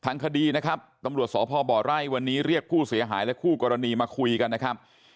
ทางคดีนะครับตำรวจสพบไร่วันนี้เรียกผู้เสียหายและคู่กรณีมาคุยกันนะครับ